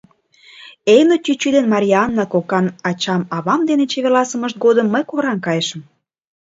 Эйно чӱчӱ ден Марйаана кокан ача-авам дене чеверласымышт годым мый кораҥ кайышым.